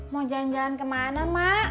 mau jalan jalan ke mana mak